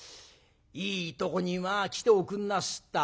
いいとこに来ておくんなすった。